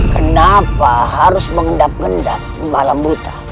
kenapa harus mengendap gendap malam buta